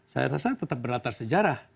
saya rasa tetap berlatar sejarah